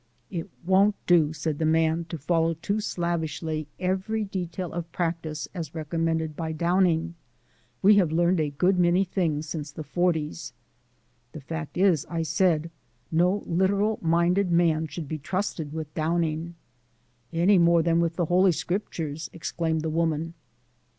"It won't do," said the man, "to follow too slavishly every detail of practice as recommended by Downing. We have learned a good many things since the forties." "The fact is," I said, "no literal minded man should be trusted with Downing." "Any more than with the Holy Scriptures," exclaimed the woman.